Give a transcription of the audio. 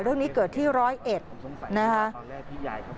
เรื่องนี้เกิดที่๑๐๑นะครับ